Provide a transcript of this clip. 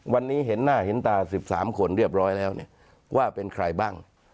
วันนี้เห็นหน้าเห็นตา๑๓คนเรียบร้อยแล้วว่าเป็นใครบ้าง